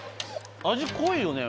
味濃いよね？